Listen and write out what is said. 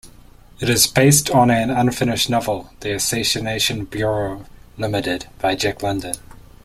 It is based on an unfinished novel, "The Assassination Bureau, Limited" by Jack London.